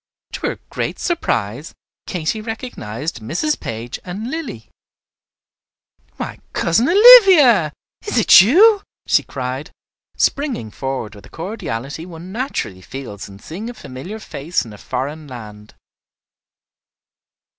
To her great surprise Katy recognized Mrs. Page and Lilly. "Why, Cousin Olivia, is it you?" she cried, springing forward with the cordiality one naturally feels in seeing a familiar face in a foreign land.